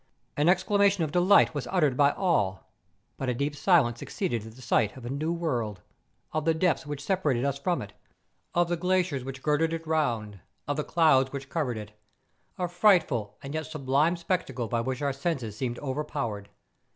An exclamation of delight was uttered by all: but a deep silence succeeded at the sight of a new world, of the depths which separated us from it, of the glaciers which girded it round, of the clouds which covered it; a frightful and yet sublime spectacle by which our senses seemed over¬ powered.